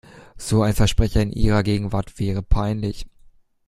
So ein Versprecher in ihrer Gegenwart wäre peinlich.